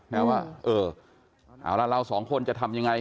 แล้วว่าเออหาเร้าสองคนจะทำยังไง